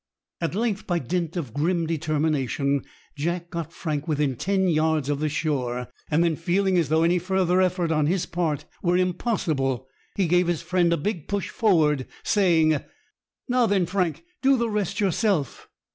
At length, by dint of grim determination, Jack got Frank within ten yards of the shore, and then, feeling as though any further effort on his part were impossible, he gave him a big push forward, saying,— "Now then, Frank, do the rest yourself."